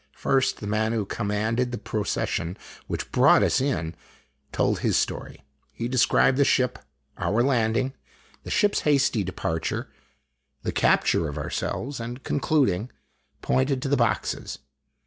First, the man who commanded the procession which brought us in told his story. He described the ship, our landing, the ship's hasty departure, the capture of ourselves, and, concluding, pointed to the boxes.